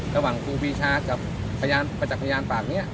ระหว่างฟกษาทันทีกับประจักษ์พยานปาก